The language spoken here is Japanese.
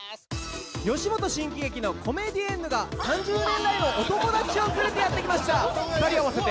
吉本新喜劇のコメディエンヌが３０年来のお友達を連れてやってきました